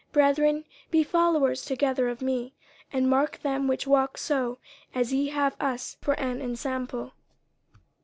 50:003:017 Brethren, be followers together of me, and mark them which walk so as ye have us for an ensample.